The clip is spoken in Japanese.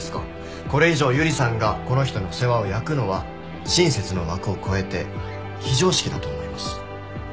これ以上ゆりさんがこの人の世話を焼くのは親切の枠を超えて非常識だと思います。